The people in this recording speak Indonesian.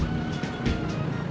tidak ada yang bisa dihukum